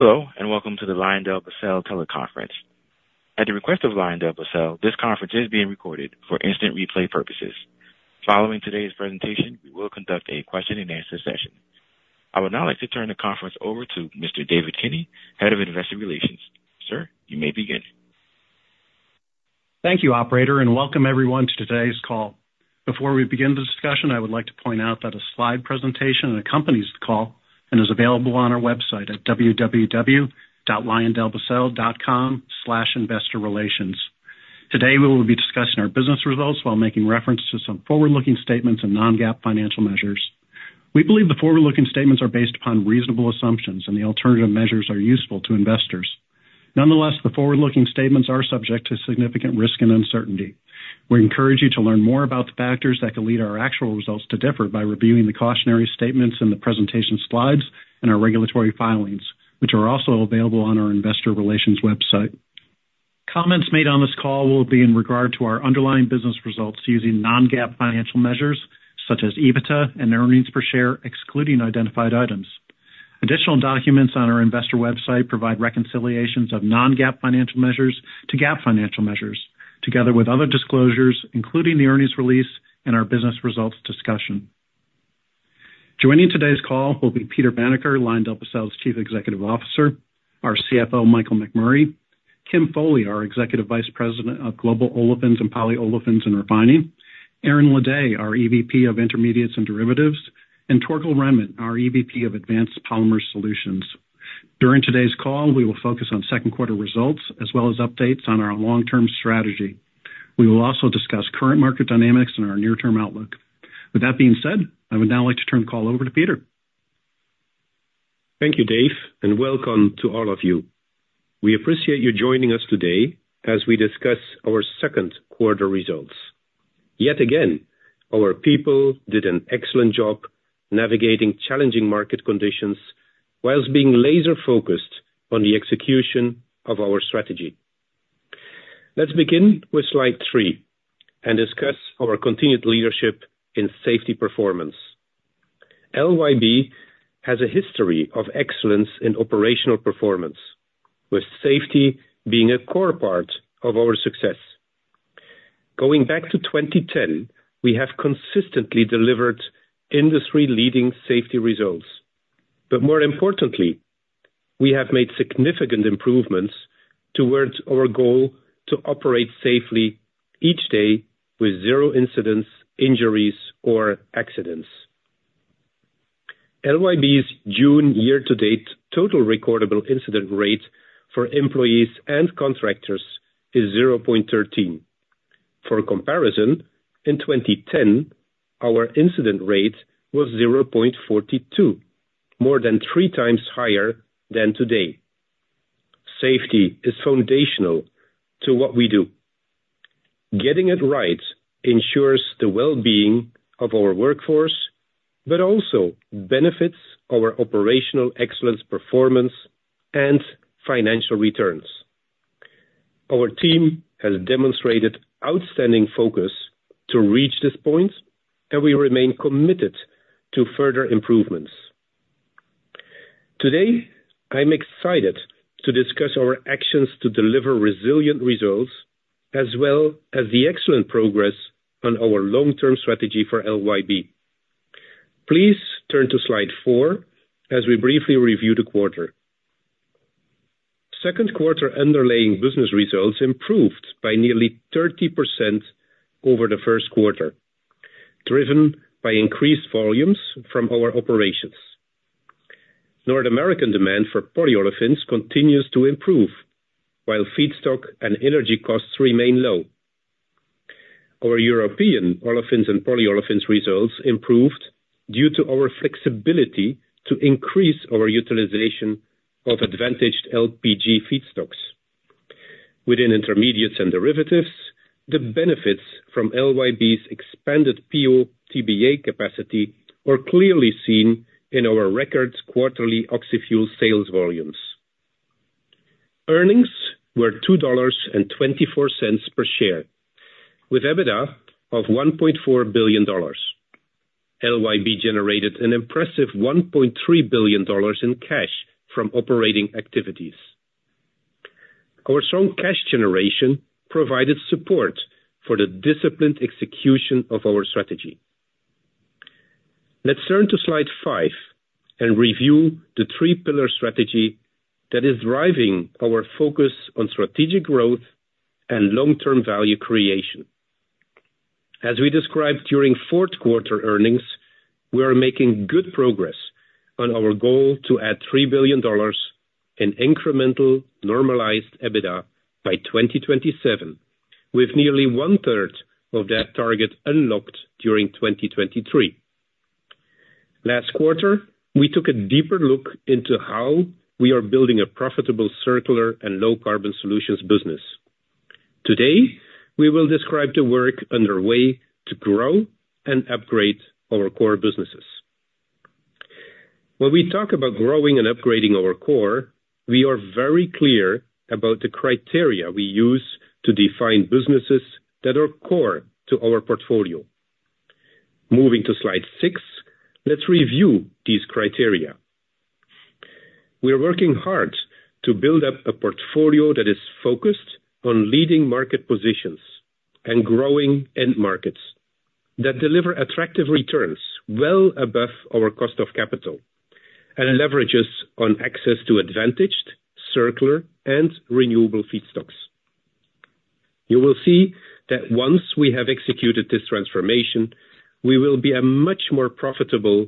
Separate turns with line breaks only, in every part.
Hello, and welcome to the LyondellBasell teleconference. At the request of LyondellBasell, this conference is being recorded for instant replay purposes. Following today's presentation, we will conduct a question-and-answer session. I would now like to turn the conference over to Mr. David Kinney, Head of Investor Relations. Sir, you may begin.
Thank you, Operator, and welcome everyone to today's call. Before we begin the discussion, I would like to point out that a slide presentation accompanies the call and is available on our website at www.lyondellbasell.com/investorrelations. Today, we will be discussing our business results while making reference to some forward-looking statements and non-GAAP financial measures. We believe the forward-looking statements are based upon reasonable assumptions, and the alternative measures are useful to investors. Nonetheless, the forward-looking statements are subject to significant risk and uncertainty. We encourage you to learn more about the factors that could lead our actual results to differ by reviewing the cautionary statements in the presentation slides and our regulatory filings, which are also available on our Investor Relations website. Comments made on this call will be in regard to our underlying business results using non-GAAP financial measures such as EBITDA and earnings per share, excluding identified items. Additional documents on our investor website provide reconciliations of non-GAAP financial measures to GAAP financial measures, together with other disclosures, including the earnings release and our business results discussion. Joining today's call will be Peter Vanacker, LyondellBasell's Chief Executive Officer, our CFO, Michael McMurray, Kim Foley, our Executive Vice President of Global Olefins and Polyolefins and Refining, Aaron Ledet, our EVP of Intermediates and Derivatives, and Torkel Rhenman, our EVP of Advanced Polymer Solutions. During today's call, we will focus on second-quarter results as well as updates on our long-term strategy. We will also discuss current market dynamics and our near-term outlook. With that being said, I would now like to turn the call over to Peter.
Thank you, Dave, and welcome to all of you. We appreciate you joining us today as we discuss our second-quarter results. Yet again, our people did an excellent job navigating challenging market conditions while being laser-focused on the execution of our strategy. Let's begin with slide 3 and discuss our continued leadership in safety performance. LYB has a history of excellence in operational performance, with safety being a core part of our success. Going back to 2010, we have consistently delivered industry-leading safety results. But more importantly, we have made significant improvements towards our goal to operate safely each day with 0 incidents, injuries, or accidents. LYB's June year-to-date total recordable incident rate for employees and contractors is 0.13. For comparison, in 2010, our incident rate was 0.42, more than 3 times higher than today. Safety is foundational to what we do. Getting it right ensures the well-being of our workforce but also benefits our operational excellence performance and financial returns. Our team has demonstrated outstanding focus to reach this point, and we remain committed to further improvements. Today, I'm excited to discuss our actions to deliver resilient results as well as the excellent progress on our long-term strategy for LYB. Please turn to slide 4 as we briefly review the quarter. Second-quarter underlying business results improved by nearly 30% over the Q1, driven by increased volumes from our operations. North American demand for polyolefins continues to improve, while feedstock and energy costs remain low. Our European olefins and polyolefins results improved due to our flexibility to increase our utilization of advantaged LPG feedstocks. Within intermediates and derivatives, the benefits from LYB's expanded PO/TBA capacity are clearly seen in our record quarterly oxyfuel sales volumes. Earnings were $2.24 per share, with EBITDA of $1.4 billion. LYB generated an impressive $1.3 billion in cash from operating activities. Our strong cash generation provided support for the disciplined execution of our strategy. Let's turn to slide 5 and review the 3-pillar strategy that is driving our focus on strategic growth and long-term value creation. As we described during fourth-quarter earnings, we are making good progress on our goal to add $3 billion in incremental normalized EBITDA by 2027, with nearly one-third of that target unlocked during 2023. Last quarter, we took a deeper look into how we are building a profitable circular and low-carbon solutions business. Today, we will describe the work underway to grow and upgrade our core businesses. When we talk about growing and upgrading our core, we are very clear about the criteria we use to define businesses that are core to our portfolio. Moving to slide 6, let's review these criteria. We are working hard to build up a portfolio that is focused on leading market positions and growing end markets that deliver attractive returns well above our cost of capital and leverages on access to advantaged, circular, and renewable feedstocks. You will see that once we have executed this transformation, we will be a much more profitable,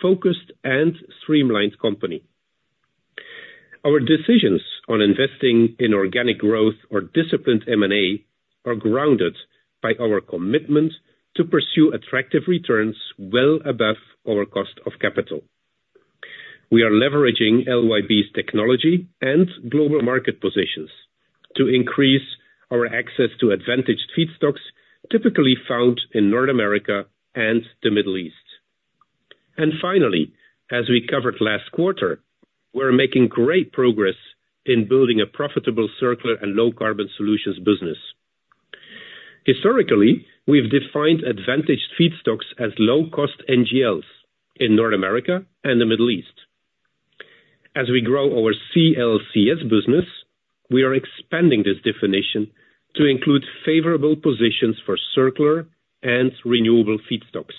focused, and streamlined company. Our decisions on investing in organic growth or disciplined M&A are grounded by our commitment to pursue attractive returns well above our cost of capital. We are leveraging LYB's technology and global market positions to increase our access to advantaged feedstocks typically found in North America and the Middle East. Finally, as we covered last quarter, we're making great progress in building a profitable circular and low-carbon solutions business. Historically, we've defined advantaged feedstocks as low-cost NGLs in North America and the Middle East. As we grow our CLCS business, we are expanding this definition to include favorable positions for circular and renewable feedstocks.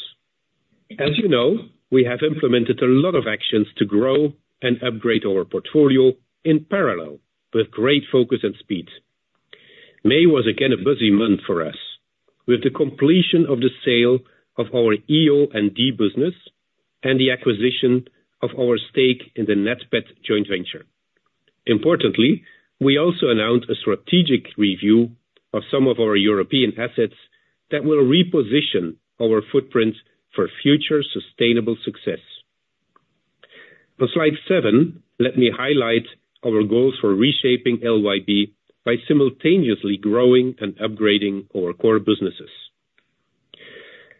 As you know, we have implemented a lot of actions to grow and upgrade our portfolio in parallel with great focus and speed. May was again a busy month for us, with the completion of the sale of our EO&D business and the acquisition of our stake in the NATPET joint venture. Importantly, we also announced a strategic review of some of our European assets that will reposition our footprint for future sustainable success. On slide 7, let me highlight our goals for reshaping LYB by simultaneously growing and upgrading our core businesses.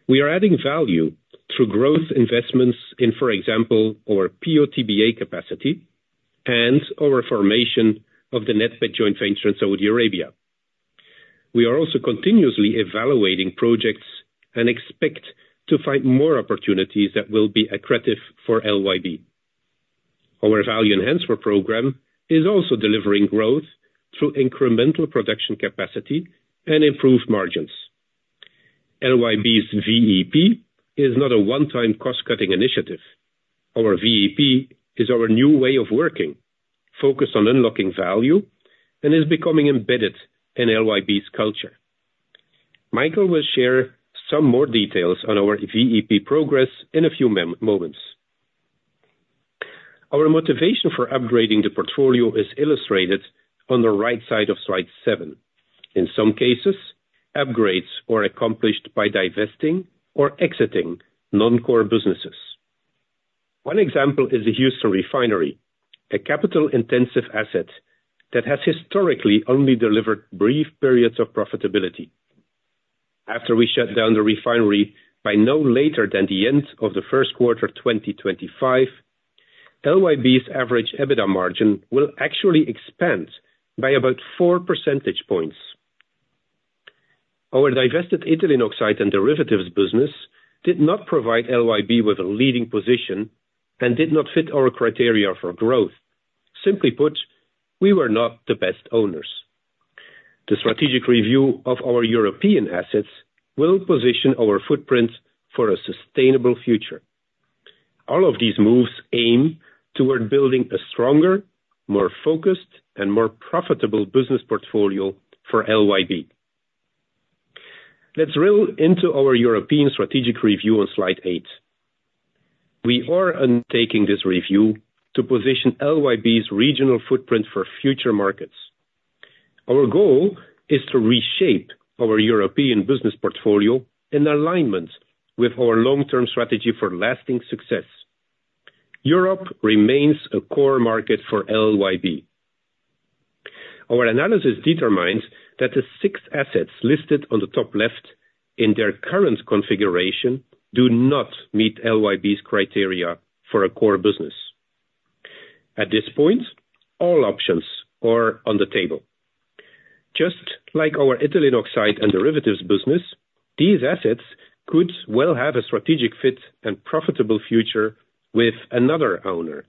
We are adding value through growth investments in, for example, our PO/TBA capacity and our formation of the NATPET joint venture in Saudi Arabia. We are also continuously evaluating projects and expect to find more opportunities that will be attractive for LYB. Our value enhancement program is also delivering growth through incremental production capacity and improved margins. LYB's VEP is not a one-time cost-cutting initiative. Our VEP is our new way of working, focused on unlocking value and is becoming embedded in LYB's culture. Michael will share some more details on our VEP progress in a few moments. Our motivation for upgrading the portfolio is illustrated on the right side of slide seven. In some cases, upgrades were accomplished by divesting or exiting non-core businesses. One example is the Houston Refinery, a capital-intensive asset that has historically only delivered brief periods of profitability. After we shut down the refinery by no later than the end of the Q1 of 2025, LYB's average EBITDA margin will actually expand by about four percentage points. Our divested ethylene oxide and derivatives business did not provide LYB with a leading position and did not fit our criteria for growth. Simply put, we were not the best owners. The strategic review of our European assets will position our footprint for a sustainable future. All of these moves aim toward building a stronger, more focused, and more profitable business portfolio for LYB. Let's drill into our European strategic review on slide eight. We are undertaking this review to position LYB's regional footprint for future markets. Our goal is to reshape our European business portfolio in alignment with our long-term strategy for lasting success. Europe remains a core market for LYB. Our analysis determines that the six assets listed on the top left in their current configuration do not meet LYB's criteria for a core business. At this point, all options are on the table. Just like our ethylene oxide and derivatives business, these assets could well have a strategic fit and profitable future with another owner.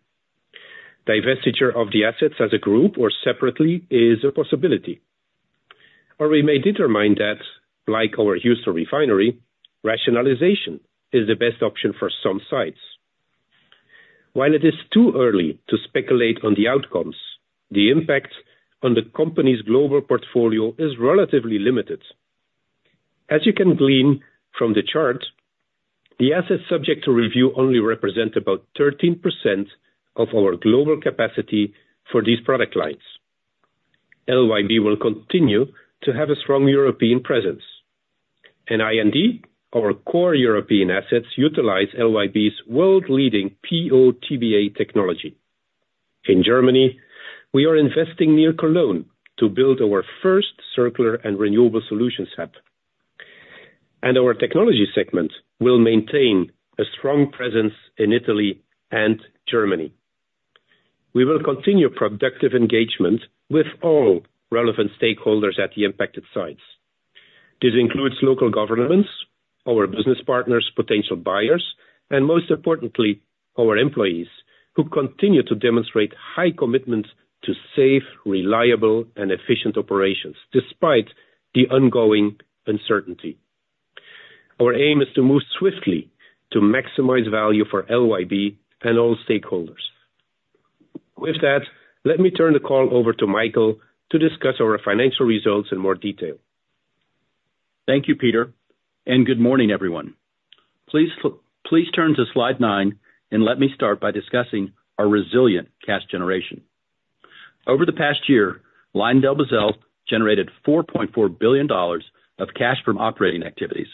Divestiture of the assets as a group or separately is a possibility. Or we may determine that, like our Houston Refinery, rationalization is the best option for some sites. While it is too early to speculate on the outcomes, the impact on the company's global portfolio is relatively limited. As you can glean from the chart, the assets subject to review only represent about 13% of our global capacity for these product lines. LYB will continue to have a strong European presence. In I&D, our core European assets utilize LYB's world-leading PO/TBA technology. In Germany, we are investing near Cologne to build our first circular and renewable solutions hub. Our technology segment will maintain a strong presence in Italy and Germany. We will continue productive engagement with all relevant stakeholders at the impacted sites. This includes local governments, our business partners, potential buyers, and most importantly, our employees who continue to demonstrate high commitment to safe, reliable, and efficient operations despite the ongoing uncertainty. Our aim is to move swiftly to maximize value for LYB and all stakeholders. With that, let me turn the call over to Michael to discuss our financial results in more detail.
Thank you, Peter. Good morning, everyone. Please turn to slide nine, and let me start by discussing our resilient cash generation. Over the past year, LyondellBasell generated $4.4 billion of cash from operating activities.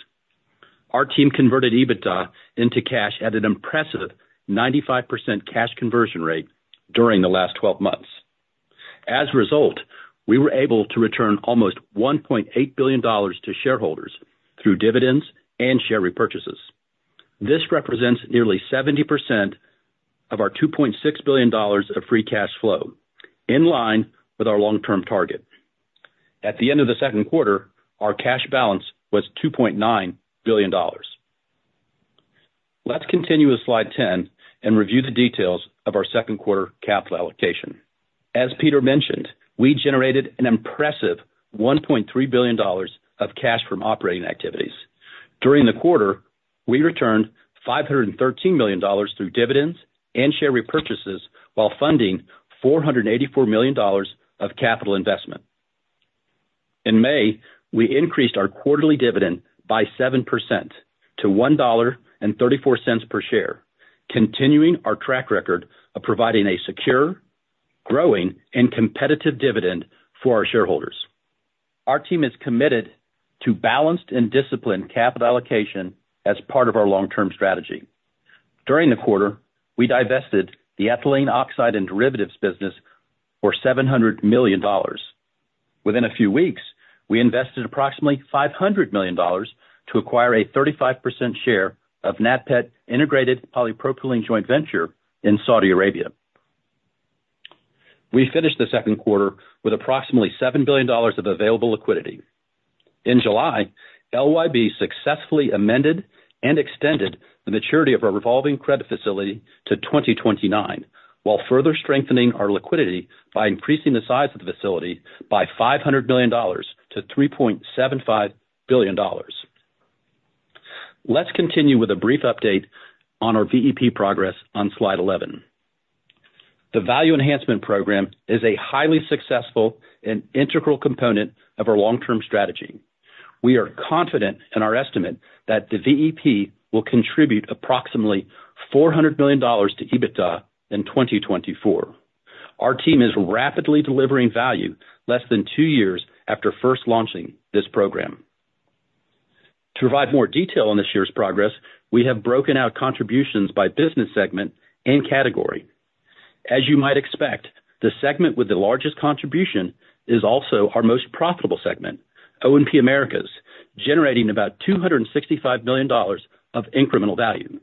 Our team converted EBITDA into cash at an impressive 95% cash conversion rate during the last 12 months. As a result, we were able to return almost $1.8 billion to shareholders through dividends and share repurchases. This represents nearly 70% of our $2.6 billion of free cash flow, in line with our long-term target. At the end of the Q2, our cash balance was $2.9 billion. Let's continue with slide 10 and review the details of our Q2 capital allocation. As Peter mentioned, we generated an impressive $1.3 billion of cash from operating activities. During the quarter, we returned $513 million through dividends and share repurchases while funding $484 million of capital investment. In May, we increased our quarterly dividend by 7% to $1.34 per share, continuing our track record of providing a secure, growing, and competitive dividend for our shareholders. Our team is committed to balanced and disciplined capital allocation as part of our long-term strategy. During the quarter, we divested the ethylene oxide and derivatives business for $700 million. Within a few weeks, we invested approximately $500 million to acquire a 35% share of NATPET Integrated Polypropylene Joint Venture in Saudi Arabia. We finished the Q2 with approximately $7 billion of available liquidity. In July, LYB successfully amended and extended the maturity of our revolving credit facility to 2029, while further strengthening our liquidity by increasing the size of the facility by $500 million to $3.75 billion. Let's continue with a brief update on our VEP progress on slide 11. The value enhancement program is a highly successful and integral component of our long-term strategy. We are confident in our estimate that the VEP will contribute approximately $400 million to EBITDA in 2024. Our team is rapidly delivering value less than two years after first launching this program. To provide more detail on this year's progress, we have broken out contributions by business segment and category. As you might expect, the segment with the largest contribution is also our most profitable segment, O&P Americas, generating about $265 million of incremental value.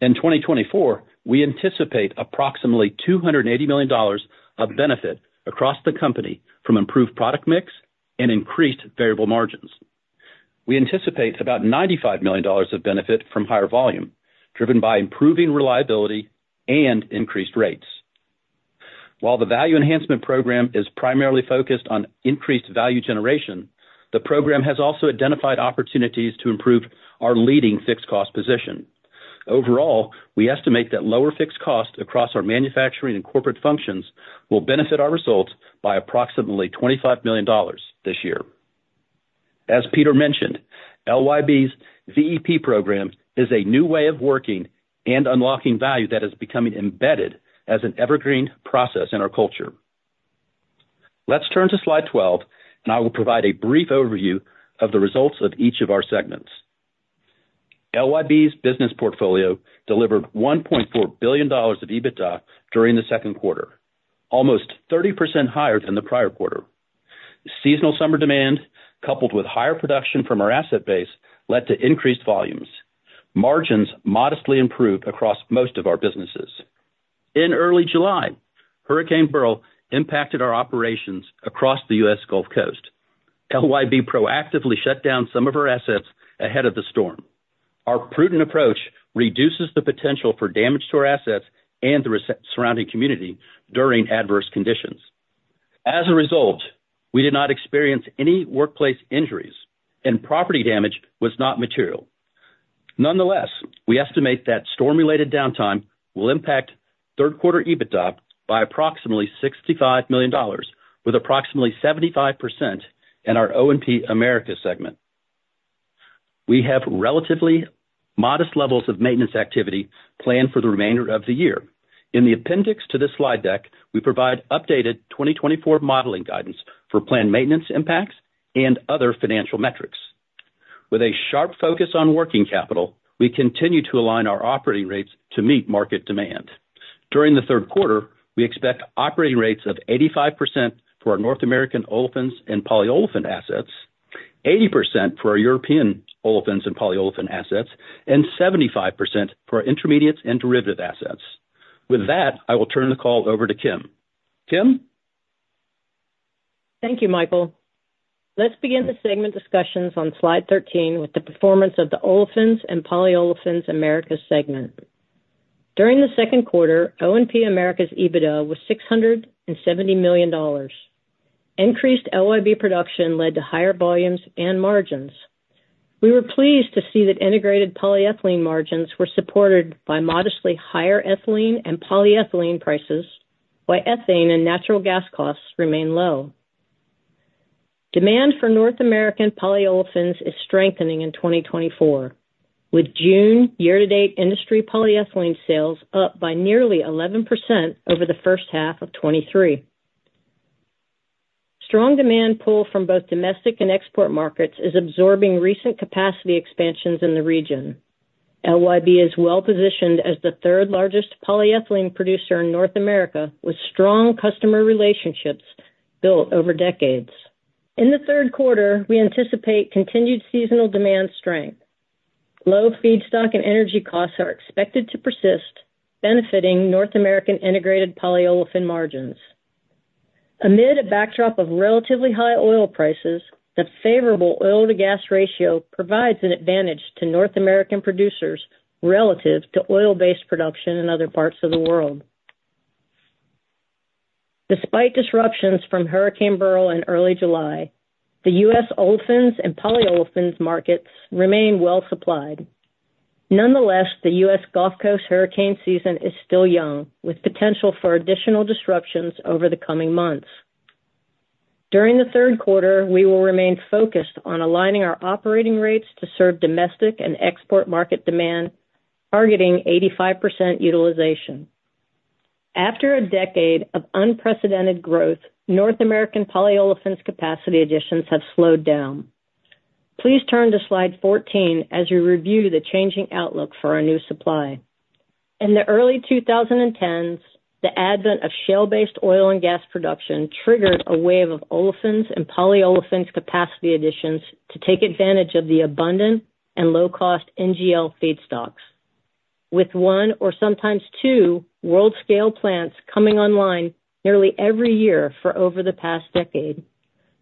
In 2024, we anticipate approximately $280 million of benefit across the company from improved product mix and increased variable margins. We anticipate about $95 million of benefit from higher volume, driven by improving reliability and increased rates. While the value enhancement program is primarily focused on increased value generation, the program has also identified opportunities to improve our leading fixed cost position. Overall, we estimate that lower fixed costs across our manufacturing and corporate functions will benefit our results by approximately $25 million this year. As Peter mentioned, LYB's VEP program is a new way of working and unlocking value that is becoming embedded as an evergreen process in our culture. Let's turn to slide 12, and I will provide a brief overview of the results of each of our segments. LYB's business portfolio delivered $1.4 billion of EBITDA during the Q2, almost 30% higher than the prior quarter. Seasonal summer demand, coupled with higher production from our asset base, led to increased volumes. Margins modestly improved across most of our businesses. In early July, Hurricane Beryl impacted our operations across the U.S. Gulf Coast. LYB proactively shut down some of our assets ahead of the storm. Our prudent approach reduces the potential for damage to our assets and the surrounding community during adverse conditions. As a result, we did not experience any workplace injuries, and property damage was not material. Nonetheless, we estimate that storm-related downtime will impact Q3 EBITDA by approximately $65 million, with approximately 75% in our O&P America segment. We have relatively modest levels of maintenance activity planned for the remainder of the year. In the appendix to this slide deck, we provide updated 2024 modeling guidance for planned maintenance impacts and other financial metrics. With a sharp focus on working capital, we continue to align our operating rates to meet market demand. During the Q3, we expect operating rates of 85% for our North American olefins and polyolefin assets, 80% for our European olefins and polyolefin assets, and 75% for our intermediates and derivatives assets. With that, I will turn the call over to Kim. Kim?
Thank you, Michael. Let's begin the segment discussions on slide 13 with the performance of the olefins and polyolefins America segment. During the Q2, O&P America's EBITDA was $670 million. Increased LYB production led to higher volumes and margins. We were pleased to see that integrated polyethylene margins were supported by modestly higher ethylene and polyethylene prices, while ethane and natural gas costs remain low. Demand for North American polyolefins is strengthening in 2024, with June year-to-date industry polyethylene sales up by nearly 11% over the first half of 2023. Strong demand pull from both domestic and export markets is absorbing recent capacity expansions in the region. LYB is well-positioned as the third-largest polyethylene producer in North America, with strong customer relationships built over decades. In the Q3, we anticipate continued seasonal demand strength. Low feedstock and energy costs are expected to persist, benefiting North American integrated polyolefin margins. Amid a backdrop of relatively high oil prices, the favorable oil-to-gas ratio provides an advantage to North American producers relative to oil-based production in other parts of the world. Despite disruptions from Hurricane Beryl in early July, the U.S. olefins and polyolefins markets remain well-supplied. Nonetheless, the U.S. Gulf Coast hurricane season is still young, with potential for additional disruptions over the coming months. During the Q3, we will remain focused on aligning our operating rates to serve domestic and export market demand, targeting 85% utilization. After a decade of unprecedented growth, North American polyolefins capacity additions have slowed down. Please turn to slide 14 as you review the changing outlook for our new supply. In the early 2010s, the advent of shale-based oil and gas production triggered a wave of olefins and polyolefins capacity additions to take advantage of the abundant and low-cost NGL feedstocks. With one or sometimes two world-scale plants coming online nearly every year for over the past decade,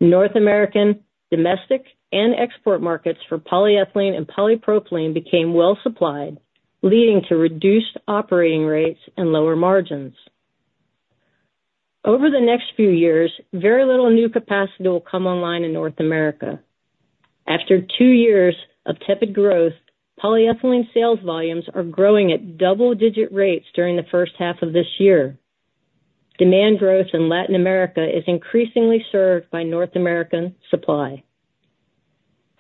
North American, domestic, and export markets for polyethylene and polypropylene became well-supplied, leading to reduced operating rates and lower margins. Over the next few years, very little new capacity will come online in North America. After two years of tepid growth, polyethylene sales volumes are growing at double-digit rates during the first half of this year. Demand growth in Latin America is increasingly served by North American supply.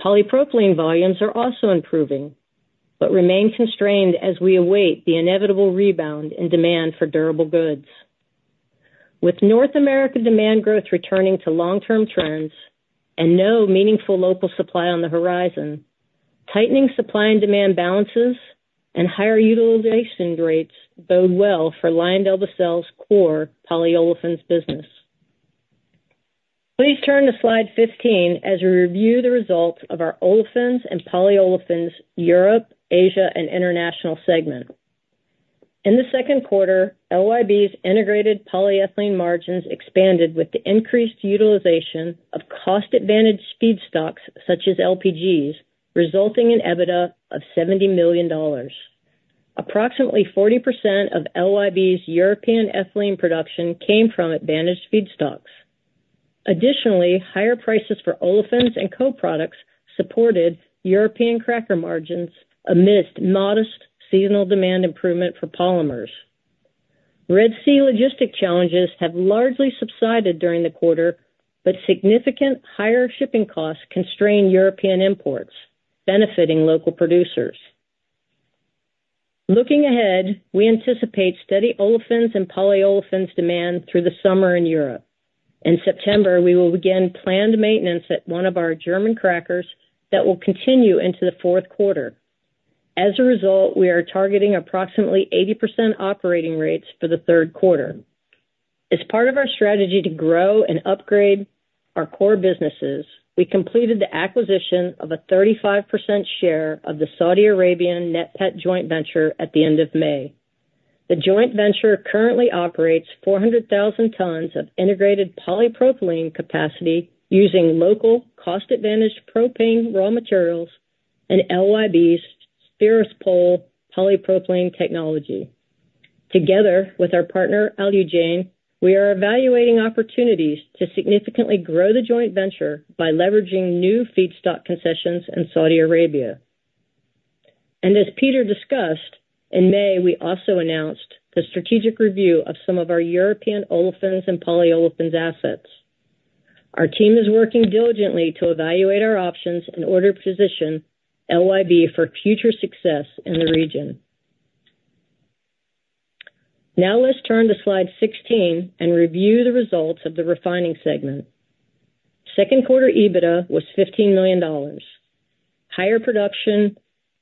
Polypropylene volumes are also improving, but remain constrained as we await the inevitable rebound in demand for durable goods. With North America demand growth returning to long-term trends and no meaningful local supply on the horizon, tightening supply and demand balances and higher utilization rates bode well for LyondellBasell's core polyolefins business. Please turn to slide 15 as we review the results of our olefins and polyolefins Europe, Asia, and international segment. In the Q2, LYB's integrated polyethylene margins expanded with the increased utilization of cost-advantaged feedstocks such as LPGs, resulting in EBITDA of $70 million. Approximately 40% of LYB's European ethylene production came from advantaged feedstocks. Additionally, higher prices for olefins and co-products supported European cracker margins amidst modest seasonal demand improvement for polymers. Red Sea logistic challenges have largely subsided during the quarter, but significant higher shipping costs constrain European imports, benefiting local producers. Looking ahead, we anticipate steady olefins and polyolefins demand through the summer in Europe. In September, we will begin planned maintenance at one of our German crackers that will continue into the Q4. As a result, we are targeting approximately 80% operating rates for the Q3. As part of our strategy to grow and upgrade our core businesses, we completed the acquisition of a 35% share of the Saudi Arabian NATPET Joint Venture at the end of May. The joint venture currently operates 400,000 tons of integrated polypropylene capacity using local cost-advantaged propane raw materials and LYB's Spheripol polypropylene technology. Together with our partner, Alujain Corporation, we are evaluating opportunities to significantly grow the joint venture by leveraging new feedstock concessions in Saudi Arabia. And as Peter discussed, in May, we also announced the strategic review of some of our European olefins and polyolefins assets. Our team is working diligently to evaluate our options and to better position LYB for future success in the region. Now let's turn to slide 16 and review the results of the refining segment. Q2 EBITDA was $15 million. Higher production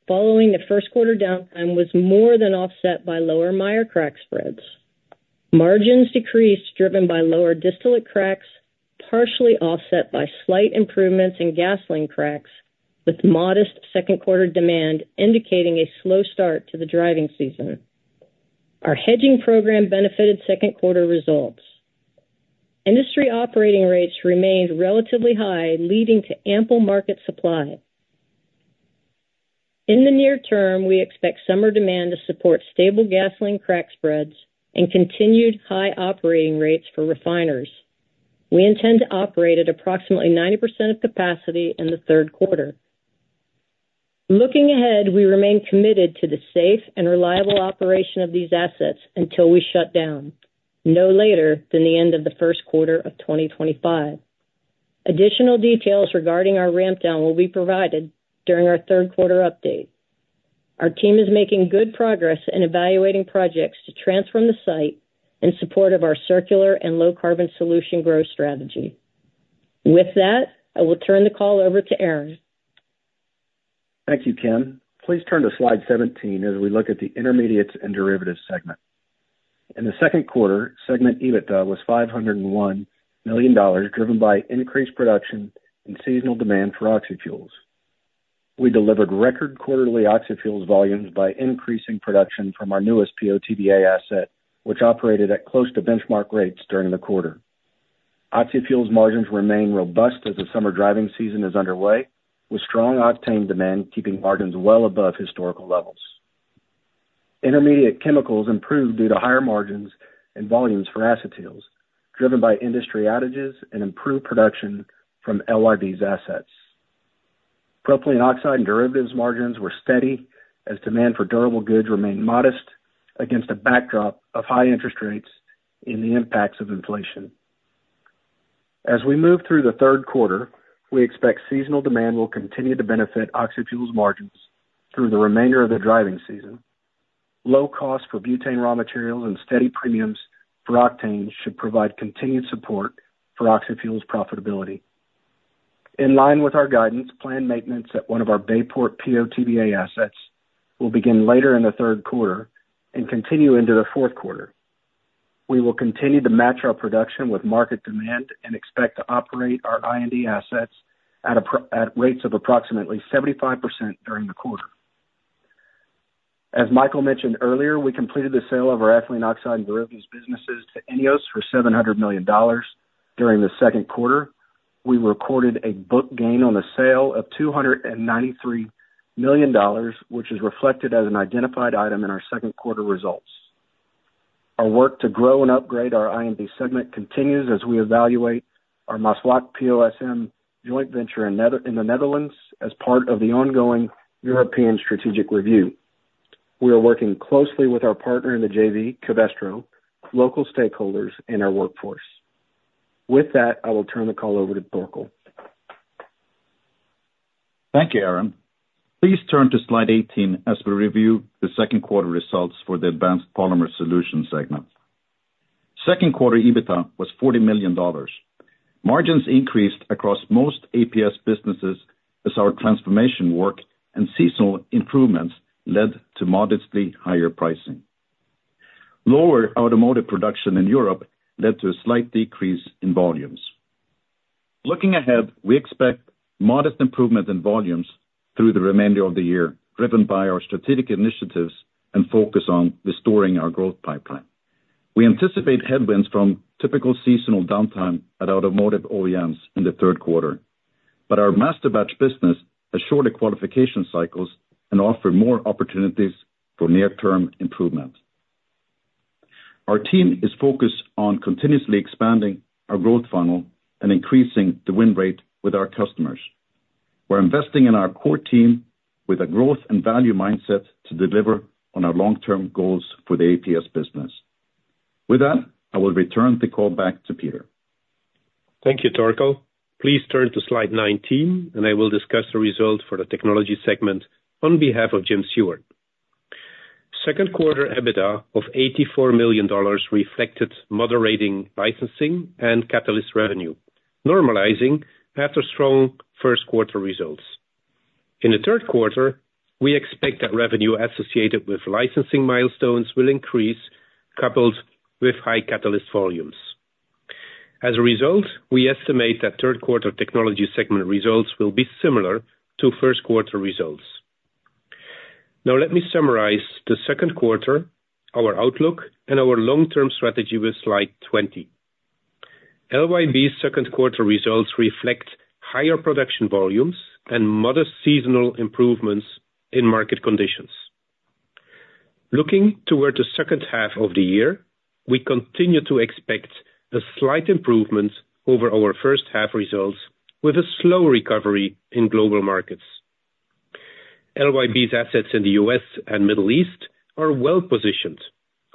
following the Q1 downtime was more than offset by lower Meyer crack spreads. Margins decreased driven by lower distillate cracks, partially offset by slight improvements in gasoline cracks, with modest Q2 demand indicating a slow start to the driving season. Our hedging program benefited Q2 results. Industry operating rates remained relatively high, leading to ample market supply. In the near term, we expect summer demand to support stable gasoline crack spreads and continued high operating rates for refiners. We intend to operate at approximately 90% of capacity in the Q3. Looking ahead, we remain committed to the safe and reliable operation of these assets until we shut down, no later than the end of the Q1 of 2025. Additional details regarding our ramp-down will be provided during our Q3 update. Our team is making good progress in evaluating projects to transform the site in support of our circular and low-carbon solution growth strategy. With that, I will turn the call over to Aaron.
Thank you, Kim. Please turn to slide 17 as we look at the intermediates and derivatives segment. In the Q2, segment EBITDA was $501 million, driven by increased production and seasonal demand for oxy-fuels. We delivered record quarterly oxy-fuels volumes by increasing production from our newest POTBA asset, which operated at close to benchmark rates during the quarter. Oxy-fuels margins remain robust as the summer driving season is underway, with strong octane demand keeping margins well above historical levels. Intermediate chemicals improved due to higher margins and volumes for acetyls, driven by industry outages and improved production from LYB's assets. Propylene oxide and derivatives margins were steady as demand for durable goods remained modest against a backdrop of high interest rates and the impacts of inflation. As we move through the Q3, we expect seasonal demand will continue to benefit oxyfuels margins through the remainder of the driving season. Low costs for butane raw materials and steady premiums for octane should provide continued support for oxyfuels profitability. In line with our guidance, planned maintenance at one of our Bayport PO/TBA assets will begin later in the Q3 and continue into the Q4. We will continue to match our production with market demand and expect to operate our I&D assets at rates of approximately 75% during the quarter. As Michael mentioned earlier, we completed the sale of our ethylene oxide and derivatives businesses to INEOS for $700 million during the Q2. We recorded a book gain on the sale of $293 million, which is reflected as an identified item in our Q2 results. Our work to grow and upgrade our I&D segment continues as we evaluate our Maasvlakte PO/SM joint venture in the Netherlands as part of the ongoing European strategic review. We are working closely with our partner in the JV, Covestro, local stakeholders, and our workforce. With that, I will turn the call over to Torkel.
Thank you, Aaron. Please turn to slide 18 as we review the Q2 results for the Advanced Polymer Solutions segment. Q2 EBITDA was $40 million. Margins increased across most APS businesses as our transformation work and seasonal improvements led to modestly higher pricing. Lower automotive production in Europe led to a slight decrease in volumes. Looking ahead, we expect modest improvements in volumes through the remainder of the year, driven by our strategic initiatives and focus on restoring our growth pipeline. We anticipate headwinds from typical seasonal downtime at automotive OEMs in the Q3, but our master batch business has shorter qualification cycles and offers more opportunities for near-term improvement. Our team is focused on continuously expanding our growth funnel and increasing the win rate with our customers. We're investing in our core team with a growth and value mindset to deliver on our long-term goals for the APS business. With that, I will return the call back to Peter.
Thank you, Torkel. Please turn to slide 19, and I will discuss the results for the technology segment on behalf of Jim Seward. Q2 EBITDA of $84 million reflected moderating licensing and catalyst revenue, normalizing after strong Q1 results. In the Q3, we expect that revenue associated with licensing milestones will increase, coupled with high catalyst volumes. As a result, we estimate that Q3 technology segment results will be similar to Q1 results. Now let me summarize the Q2, our outlook, and our long-term strategy with slide 20. LYB's Q2 results reflect higher production volumes and modest seasonal improvements in market conditions. Looking toward the second half of the year, we continue to expect a slight improvement over our first half results with a slow recovery in global markets. LYB's assets in the U.S. and Middle East are well-positioned,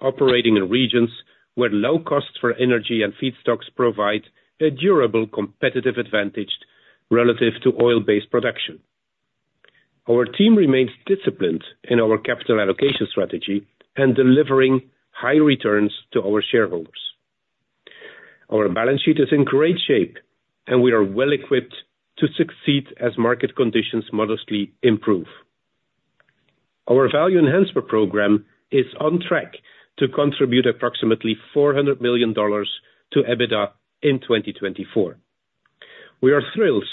operating in regions where low costs for energy and feedstocks provide a durable competitive advantage relative to oil-based production. Our team remains disciplined in our capital allocation strategy and delivering high returns to our shareholders. Our balance sheet is in great shape, and we are well-equipped to succeed as market conditions modestly improve. Our value enhancement program is on track to contribute approximately $400 million to EBITDA in 2024. We are thrilled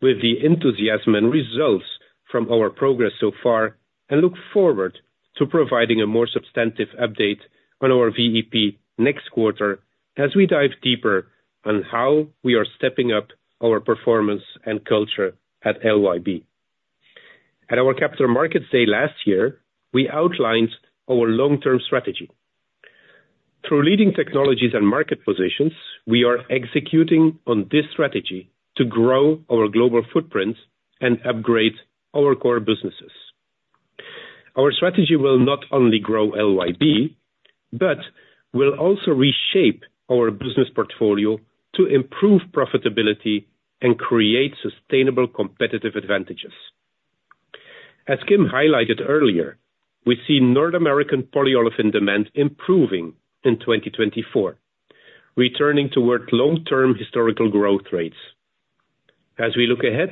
with the enthusiasm and results from our progress so far and look forward to providing a more substantive update on our VEP next quarter as we dive deeper on how we are stepping up our performance and culture at LYB. At our Capital Markets Day last year, we outlined our long-term strategy. Through leading technologies and market positions, we are executing on this strategy to grow our global footprint and upgrade our core businesses. Our strategy will not only grow LYB, but will also reshape our business portfolio to improve profitability and create sustainable competitive advantages. As Kim highlighted earlier, we see North American polyolefin demand improving in 2024, returning toward long-term historical growth rates. As we look ahead,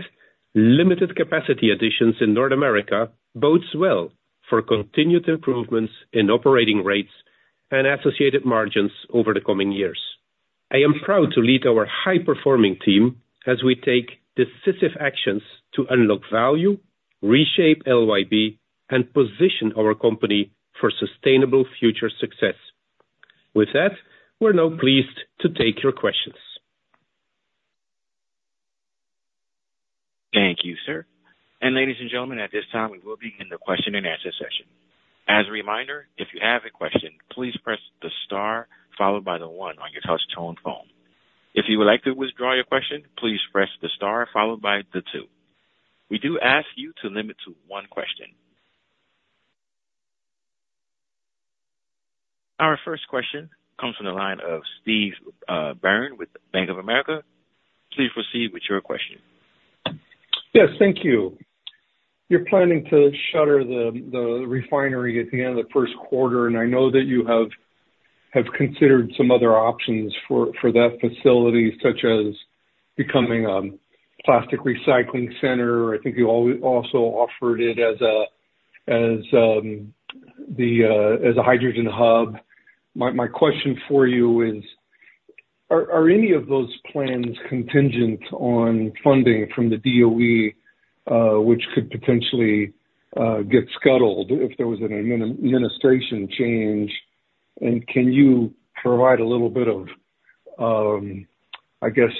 limited capacity additions in North America bodes well for continued improvements in operating rates and associated margins over the coming years. I am proud to lead our high-performing team as we take decisive actions to unlock value, reshape LYB, and position our company for sustainable future success. With that, we're now pleased to take your questions.
Thank you, sir. And ladies and gentlemen, at this time, we will begin the question and answer session. As a reminder, if you have a question, please press the star followed by the one on your touch-tone phone. If you would like to withdraw your question, please press the star followed by the two. We do ask you to limit to one question. Our first question comes from the line of Steve Boland with Bank of America. Please proceed with your question.
Yes, thank you. You're planning to shutter the refinery at the end of the Q1, and I know that you have considered some other options for that facility, such as becoming a plastic recycling center. I think you also offered it as a hydrogen hub. My question for you is, are any of those plans contingent on funding from the DOE, which could potentially get scuttled if there was an administration change? And can you provide a little bit of, I guess,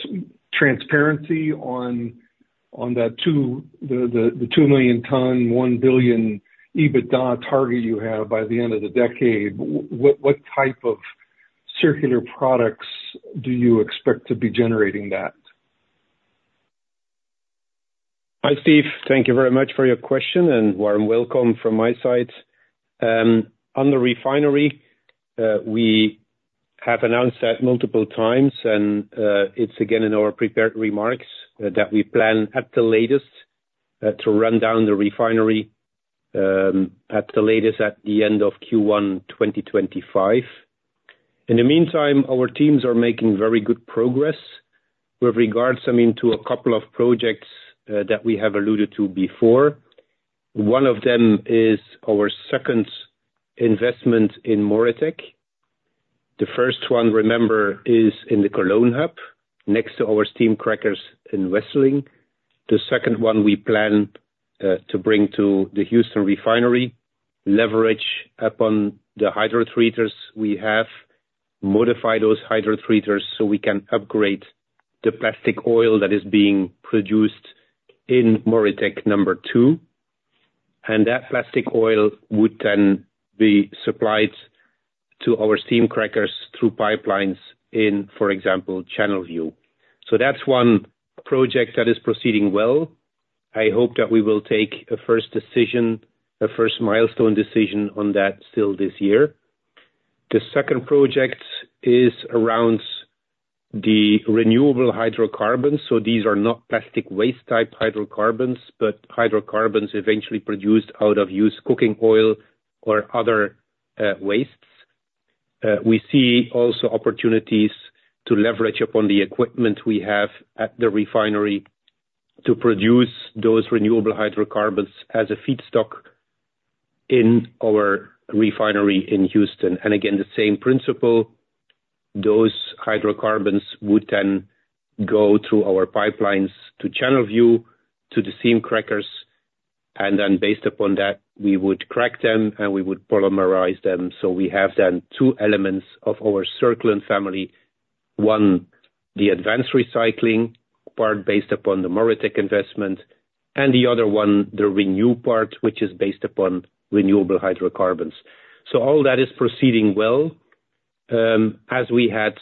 transparency on the 2 million ton, $1 billion EBITDA target you have by the end of the decade? What type of circular products do you expect to be generating that?
Hi, Steve. Thank you very much for your question, and warm welcome from my side. On the refinery, we have announced that multiple times, and it's again in our prepared remarks that we plan, at the latest, to run down the refinery at the latest at the end of Q1 2025. In the meantime, our teams are making very good progress with regards to a couple of projects that we have alluded to before. One of them is our second investment in MoReTec. The first one, remember, is in the Cologne hub, next to our steam crackers and Wesseling. The second one we plan to bring to the Houston refinery, leverage upon the hydrotreaters we have, modify those hydrotreaters so we can upgrade the plastic oil that is being produced in MoReTec number two. And that plastic oil would then be supplied to our steam crackers through pipelines in, for example, Channelview. So that's one project that is proceeding well. I hope that we will take a first decision, a first milestone decision on that still this year. The second project is around the renewable hydrocarbons. So these are not plastic waste-type hydrocarbons, but hydrocarbons eventually produced out of used cooking oil or other wastes. We see also opportunities to leverage upon the equipment we have at the refinery to produce those renewable hydrocarbons as a feedstock in our refinery in Houston. And again, the same principle, those hydrocarbons would then go through our pipelines to Channelview, to the steam crackers, and then based upon that, we would crack them and we would polymerize them. So we have then two elements of our Circulen family. One, the advanced recycling part based upon the MoReTec investment, and the other one, the renew part, which is based upon renewable hydrocarbons. So all that is proceeding well, as we had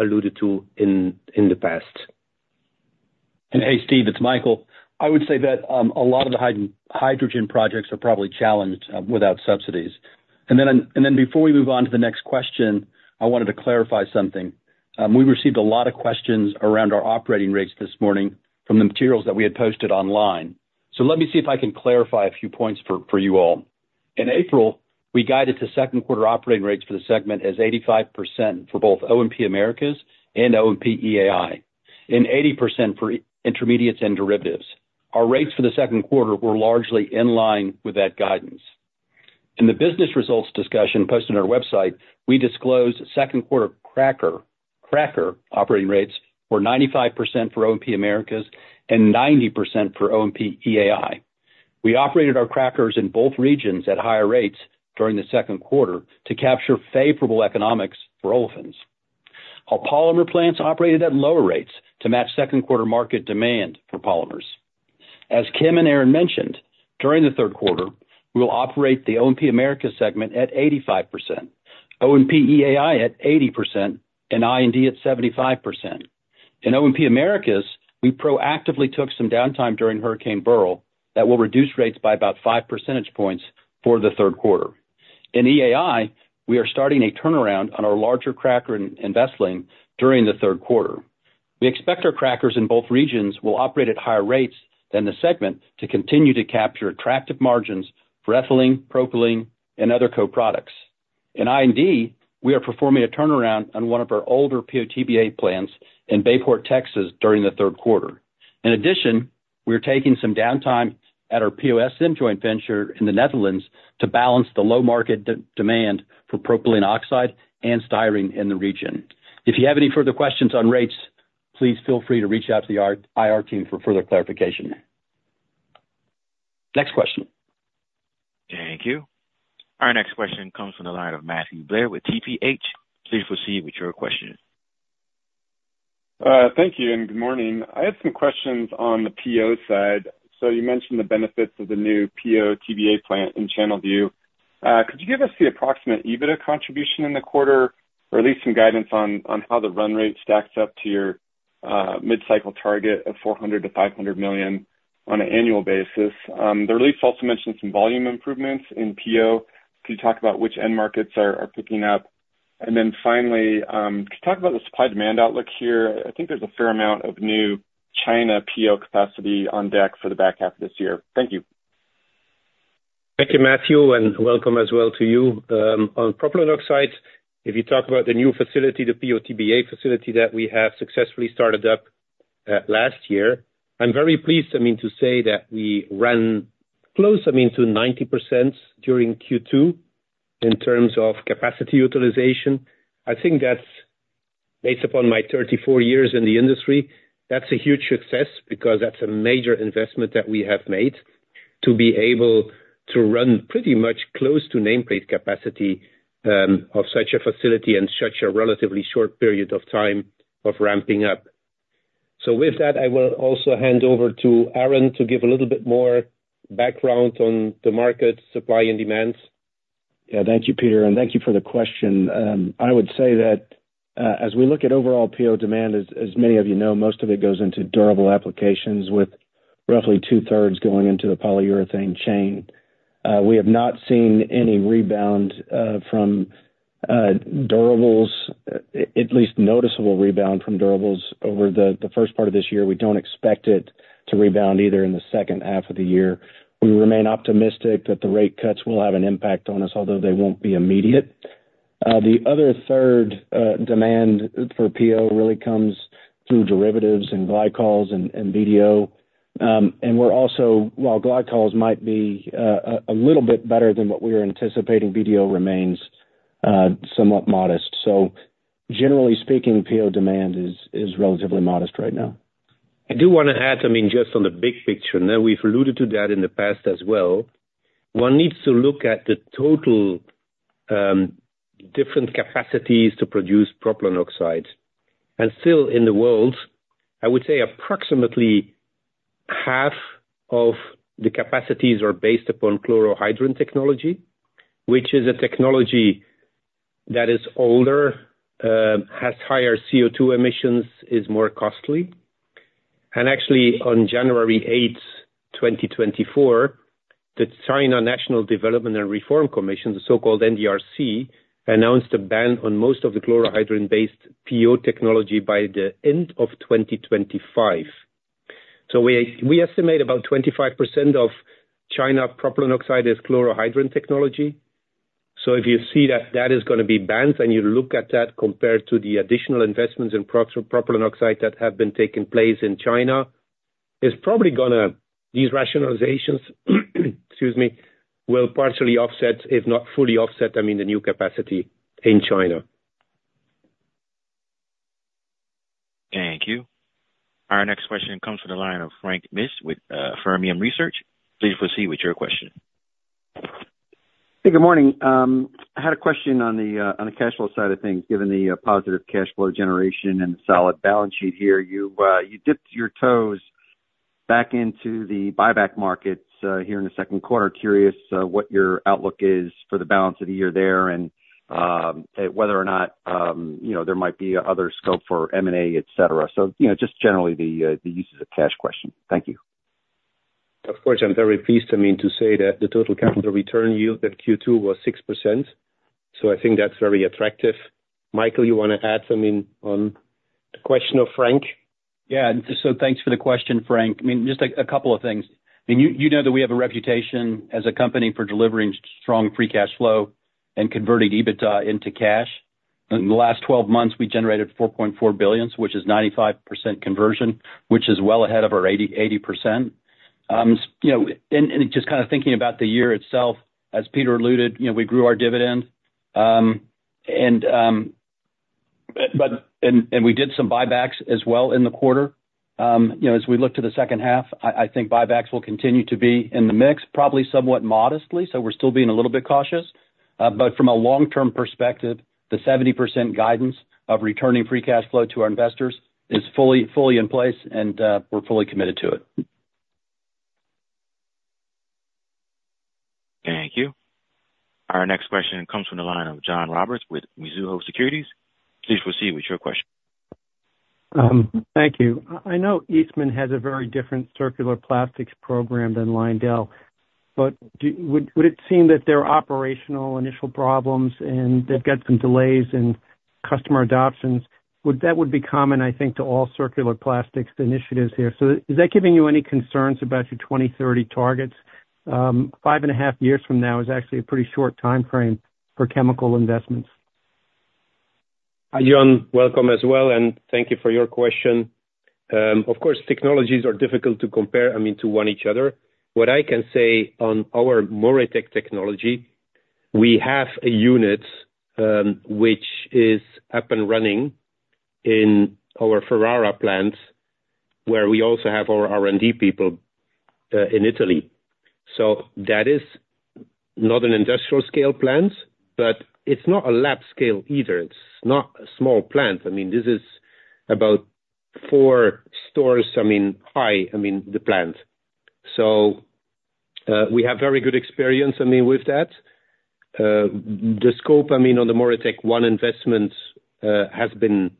alluded to in the past.
Hey, Steve, it's Michael. I would say that a lot of the hydrogen projects are probably challenged without subsidies. Before we move on to the next question, I wanted to clarify something. We received a lot of questions around our operating rates this morning from the materials that we had posted online. So let me see if I can clarify a few points for you all. In April, we guided to Q2 operating rates for the segment as 85% for both O&P Americas and O&P EAI, and 80% for intermediates and derivatives. Our rates for the Q2 were largely in line with that guidance. In the business results discussion posted on our website, we disclosed Q2 cracker operating rates were 95% for O&P Americas and 90% for O&P EAI. We operated our crackers in both regions at higher rates during the Q2 to capture favorable economics for olefins. Our polymer plants operated at lower rates to match Q2 market demand for polymers. As Kim and Aaron mentioned, during the Q3, we will operate the O&P Americas segment at 85%, O&P EAI at 80%, and I&D at 75%. In O&P Americas, we proactively took some downtime during Hurricane Beryl that will reduce rates by about five percentage points for the Q3. In EAI, we are starting a turnaround on our larger cracker and investing during the Q3. We expect our crackers in both regions will operate at higher rates than the segment to continue to capture attractive margins for ethylene, propylene, and other co-products. In I&D, we are performing a turnaround on one of our older PO/TBA plants in Bayport, Texas, during the Q3. In addition, we're taking some downtime at our PO/SM joint venture in the Netherlands to balance the low market demand for propylene oxide and styrene in the region. If you have any further questions on rates, please feel free to reach out to the IR team for further clarification. Next question.
Thank you. Our next question comes from the line of Matthew Blair with TPH. Please proceed with your question.
Thank you and good morning. I had some questions on the PO side. So you mentioned the benefits of the new PO/TBA plant in Channelview. Could you give us the approximate EBITDA contribution in the quarter, or at least some guidance on how the run rate stacks up to your mid-cycle target of $400 million-$500 million on an annual basis? The release also mentioned some volume improvements in PO. Could you talk about which end markets are picking up? And then finally, could you talk about the supply demand outlook here? I think there's a fair amount of new China PO capacity on deck for the back half of this year. Thank you.
Thank you, Matthew, and welcome as well to you. On the propylene oxide, if you talk about the new facility, the PO/TBA facility that we have successfully started up last year, I'm very pleased to say that we ran close to 90% during Q2 in terms of capacity utilization. I think that's based upon my 34 years in the industry. That's a huge success because that's a major investment that we have made to be able to run pretty much close to nameplate capacity of such a facility in such a relatively short period of time of ramping up. So with that, I will also hand over to Aaron to give a little bit more background on the market supply and demands.
Yeah, thank you, Peter, and thank you for the question. I would say that as we look at overall PO demand, as many of you know, most of it goes into durable applications with roughly two-thirds going into the polyurethane chain. We have not seen any rebound from durables, at least noticeable rebound from durables over the first part of this year. We don't expect it to rebound either in the second half of the year. We remain optimistic that the rate cuts will have an impact on us, although they won't be immediate. The other third demand for PO really comes through derivatives and glycols and BDO. We're also, while glycols might be a little bit better than what we are anticipating, BDO remains somewhat modest. So generally speaking, PO demand is relatively modest right now.
I do want to add, I mean, just on the big picture, and then we've alluded to that in the past as well. One needs to look at the total different capacities to produce propylene oxide. Still in the world, I would say approximately half of the capacities are based upon Chlorohydrin technology, which is a technology that is older, has higher CO2 emissions, is more costly. Actually, on January 8th, 2024, the China National Development and Reform Commission, the so-called NDRC, announced a ban on most of the Chlorohydrin-based PO technology by the end of 2025. So we estimate about 25% of China propylene oxide is Chlorohydrin technology. So if you see that that is going to be banned and you look at that compared to the additional investments in propylene oxide that have been taking place in China, it's probably going to, these rationalizations, excuse me, will partially offset, if not fully offset, I mean, the new capacity in China.
Thank you. Our next question comes from the line of Frank Mitsch with Fermium Research. Please proceed with your question.
Hey, good morning. I had a question on the cash flow side of things. Given the positive cash flow generation and the solid balance sheet here, you dipped your toes back into the buyback markets here in the Q2. Curious what your outlook is for the balance of the year there and whether or not there might be other scope for M&A, etc. So just generally the uses of cash question. Thank you.
Of course, I'm very pleased to say that the total capital return yield at Q2 was 6%. So I think that's very attractive. Michael, you want to add something on the question of Frank?
Yeah, so thanks for the question, Frank. I mean, just a couple of things. I mean, you know that we have a reputation as a company for delivering strong free cash flow and converting EBITDA into cash. In the last 12 months, we generated $4.4 billion, which is 95% conversion, which is well ahead of our 80%. And just kind of thinking about the year itself, as Peter alluded, we grew our dividend. And we did some buybacks as well in the quarter. As we look to the second half, I think buybacks will continue to be in the mix, probably somewhat modestly. So we're still being a little bit cautious. But from a long-term perspective, the 70% guidance of returning free cash flow to our investors is fully in place, and we're fully committed to it.
Thank you. Our next question comes from the line of John Roberts with Mizuho Securities. Please proceed with your question.
Thank you. I know Eastman has a very different circular plastics program than Lyondell, but would it seem that there are operational initial problems and they've got some delays in customer adoptions? That would be common, I think, to all circular plastics initiatives here. So is that giving you any concerns about your 2030 targets? 5.5 years from now is actually a pretty short time frame for chemical investments.
John, welcome as well, and thank you for your question. Of course, technologies are difficult to compare, I mean, to one another. What I can say on our MoReTec technology, we have a unit which is up and running in our Ferrara plant where we also have our R&D people in Italy. So that is not an industrial scale plant, but it's not a lab scale either. It's not a small plant. I mean, this is about four stories, I mean, high, I mean, the plant. So we have very good experience, I mean, with that. The scope, I mean, on the MoReTec one investment has been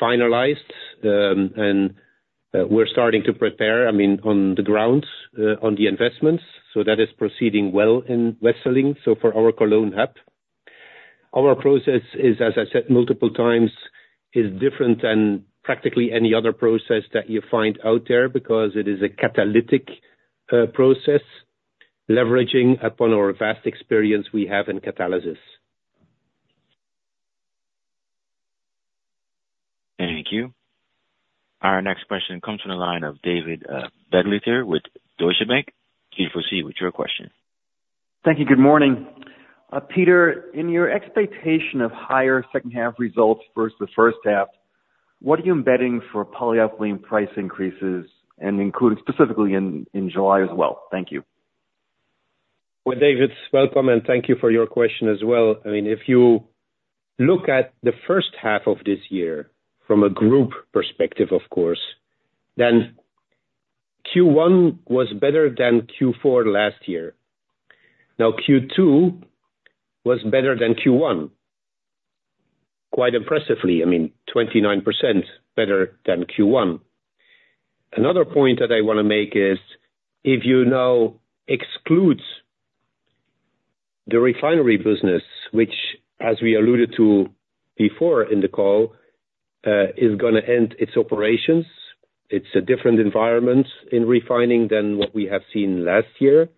finalized, and we're starting to prepare, I mean, on the ground on the investments. So that is proceeding well in Wesseling. So for our Cologne hub, our process is, as I said multiple times, is different than practically any other process that you find out there because it is a catalytic process leveraging upon our vast experience we have in catalysis. Thank you.
Our next question comes from the line of David Begleiter with Deutsche Bank. Please proceed with your question.
Thank you. Good morning. Peter, in your expectation of higher second half results versus the first half, what are you embedding for polyethylene price increases and including specifically in July as well? Thank you.
Well, David, welcome, and thank you for your question as well. I mean, if you look at the first half of this year from a group perspective, of course, then Q1 was better than Q4 last year. Now, Q2 was better than Q1, quite impressively. I mean, 29% better than Q1. Another point that I want to make is if you now exclude the refinery business, which, as we alluded to before in the call, is going to end its operations. It's a different environment in refining than what we have seen last year.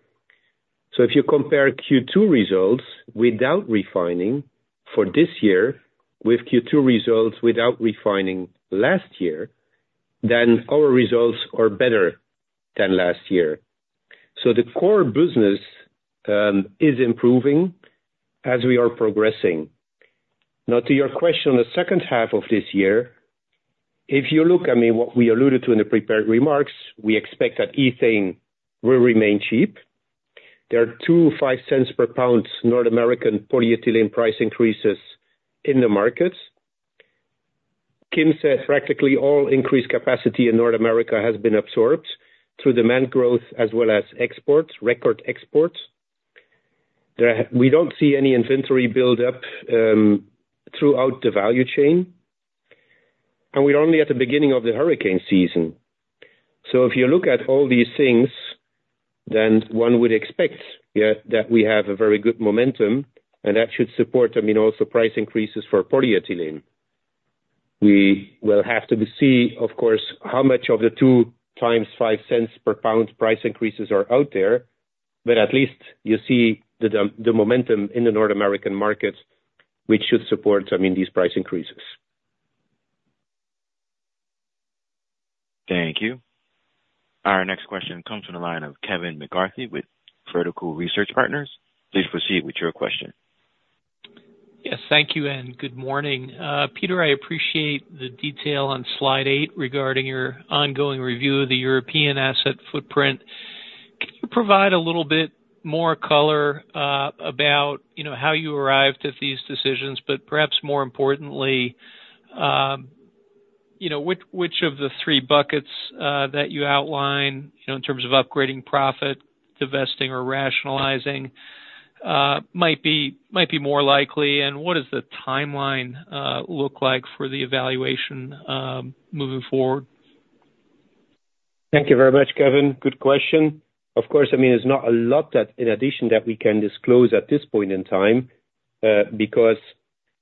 So if you compare Q2 results without refining for this year with Q2 results without refining last year, then our results are better than last year. So the core business is improving as we are progressing. Now, to your question on the second half of this year, if you look, I mean, what we alluded to in the prepared remarks, we expect that ethane will remain cheap. There are two $0.05-per-pound North American polyethylene price increases in the markets. Kim said practically all increased capacity in North America has been absorbed through demand growth as well as exports, record exports. We don't see any inventory buildup throughout the value chain, and we're only at the beginning of the hurricane season. So if you look at all these things, then one would expect that we have a very good momentum, and that should support, I mean, also price increases for polyethylene. We will have to see, of course, how much of the 2 times $0.05 per pound price increases are out there, but at least you see the momentum in the North American market, which should support, I mean, these price increases.
Thank you. Our next question comes from the line of Kevin McCarthy with Vertical Research Partners. Please proceed with your question.
Yes, thank you and good morning. Peter, I appreciate the detail on slide 8 regarding your ongoing review of the European asset footprint. Can you provide a little bit more color about how you arrived at these decisions, but perhaps more importantly, which of the three buckets that you outline in terms of upgrading profit, divesting, or rationalizing might be more likely, and what does the timeline look like for the evaluation moving forward?
Thank you very much, Kevin. Good question. Of course, I mean, there's not a lot in addition that we can disclose at this point in time because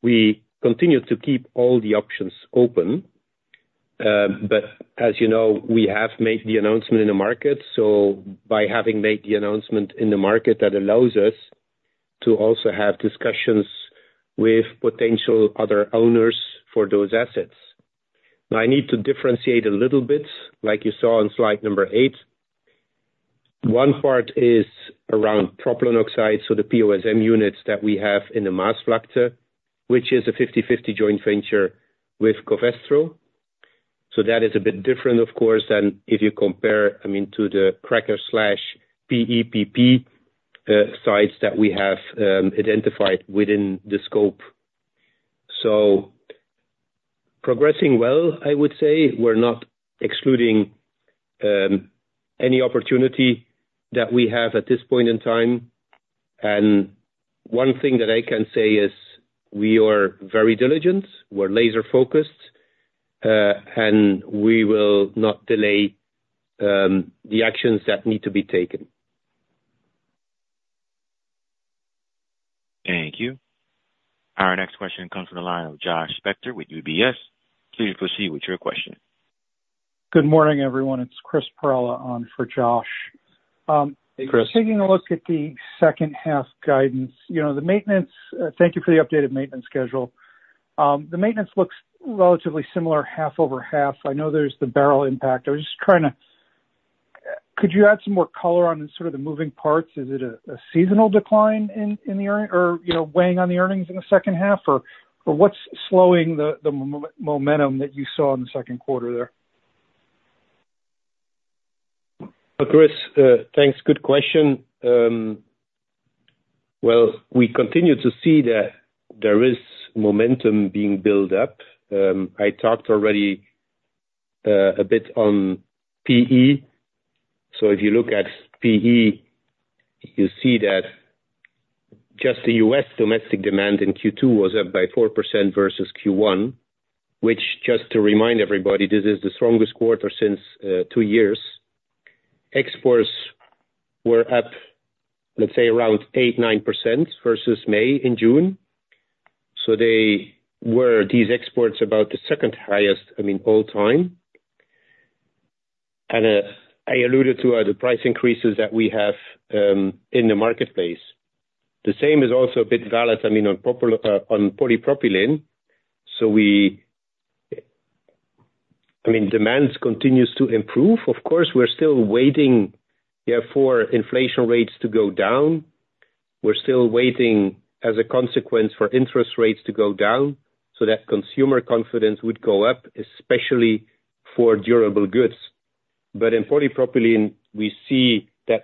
we continue to keep all the options open. But as you know, we have made the announcement in the market. So by having made the announcement in the market, that allows us to also have discussions with potential other owners for those assets. Now, I need to differentiate a little bit, like you saw on slide number 8. One part is around propylene oxide, so the PO/SM units that we have in the Maasvlakte, which is a 50/50 joint venture with Covestro. So that is a bit different, of course, than if you compare, I mean, to the cracker / PP sites that we have identified within the scope. So progressing well, I would say. We're not excluding any opportunity that we have at this point in time. And one thing that I can say is we are very diligent. We're laser-focused, and we will not delay the actions that need to be taken.
Thank you. Our next question comes from the line of Josh Spector with UBS. Please proceed with your question.
Good morning, everyone. It's Chris Perella on for Josh. Taking a look at the second half guidance, the maintenance, thank you for the updated maintenance schedule. The maintenance looks relatively similar, half over half.
I know there's the Beryl impact. I was just trying to, could you add some more color on sort of the moving parts? Is it a seasonal decline in the earnings or weighing on the earnings in the second half, or what's slowing the momentum that you saw in the Q2 there?
Chris, thanks. Good question. Well, we continue to see that there is momentum being built up. I talked already a bit on PE. So if you look at PE, you see that just the U.S. domestic demand in Q2 was up by 4% versus Q1, which, just to remind everybody, this is the strongest quarter since two years. Exports were up, let's say, around 8-9% versus May and June. So these exports are about the second highest, I mean, all time. And I alluded to the price increases that we have in the marketplace. The same is also a bit valid, I mean, on polypropylene. So I mean, demand continues to improve. Of course, we're still waiting for inflation rates to go down. We're still waiting as a consequence for interest rates to go down so that consumer confidence would go up, especially for durable goods. But in polypropylene, we see that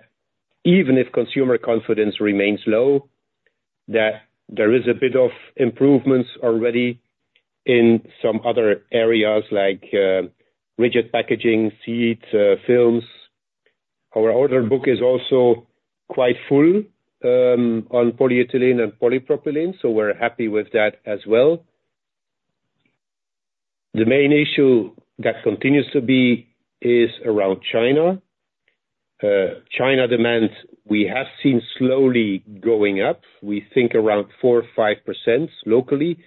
even if consumer confidence remains low, that there is a bit of improvements already in some other areas like rigid packaging, sheets, films. Our order book is also quite full on polyethylene and polypropylene. So we're happy with that as well. The main issue that continues to be is around China. China demand we have seen slowly going up. We think around 4%-5% locally,